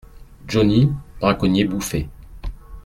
Johny, braconnier Bouffé.